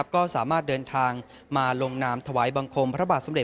ก็สามารถเดินทางมาลงนามถวายบังคมพระบาทสำเร็